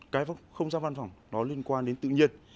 cái không gian văn phòng nó liên quan đến tự nhiên